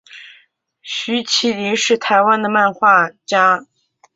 徐麒麟是台湾的漫画家。